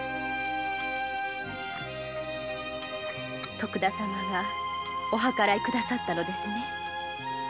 徳田様がお計らい下さったのですね。